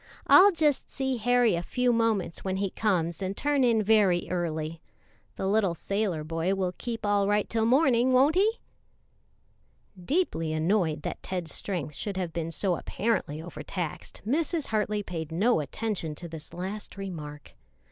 I'll just see Harry a few moments when he comes and turn in very early. The little sailor boy will keep all right till morning, won't he?'" Deeply annoyed that Ted's strength should have been so apparently overtaxed, Mrs. Hartley paid no attention to this last remark.